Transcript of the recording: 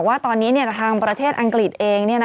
ว่าตอนนี้ทางประเทศอังกฤษเอง